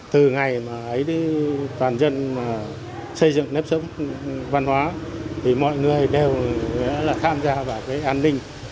từ ngày mà toàn dân xây dựng nếp sống văn hóa thì mọi người đều đã là tham gia vào cái an ninh